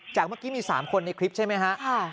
เมื่อกี้มี๓คนในคลิปใช่ไหมฮะ